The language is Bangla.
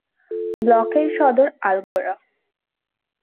ব্লকের সদর আলগোরা।